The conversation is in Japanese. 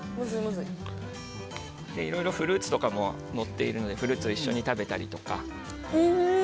いろいろフルーツとかものっているのでフルーツを一緒に食べたりとか。